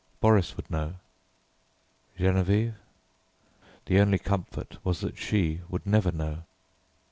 Boris would know; Geneviève the only comfort was that she would never know.